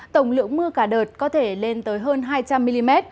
tổng lượng mưa cả đợt có thể lên tới hơn hai trăm linh mm